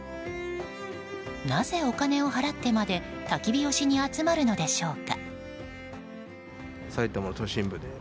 なぜ、お金を払ってまでたき火をしに集まるのでしょうか。